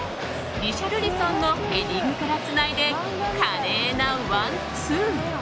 リシャルリソンのヘディングからつないで華麗なワンツー。